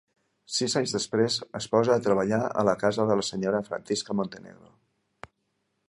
Sis anys després, es posa a treballar a la casa de la senyora Francisca Montenegro.